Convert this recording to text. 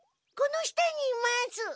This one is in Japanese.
この下にいます。